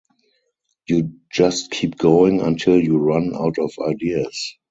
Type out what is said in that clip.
You just keep going until you run out of ideas.